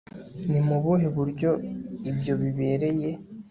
ni mu buhe buryo ibyo bibereye